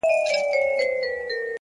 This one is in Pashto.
دادی اوس هم کومه، بيا کومه، بيا کومه،